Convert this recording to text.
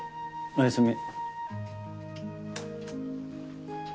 おやすみ。